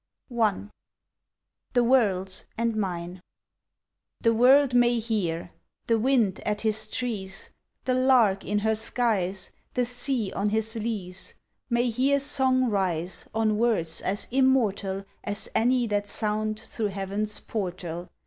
I THE WORLD'S, AND MINE The world may hear The wind at his trees, The lark in her skies, The sea on his leas; May hear Song rise On words as immortal As any that sound Thro' Heaven's Portal.